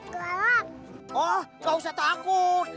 gak usah takut